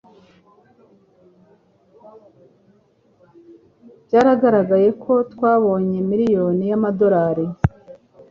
Byaragaragaye ko twabonye miliyoni y'amadolari.